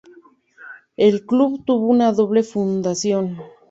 El club tuvo una doble fundación.